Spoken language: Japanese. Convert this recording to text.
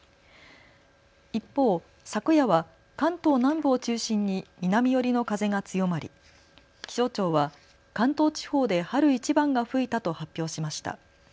一方、昨夜は関東南部を中心に南寄りの風が強まり気象庁は関東地方で春一番が吹いたと発表しました。